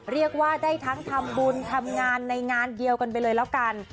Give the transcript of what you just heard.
เรียกว่าได้ทั้งทำบุญทำงานในงานเดียวกันไปเลยแล้วกัน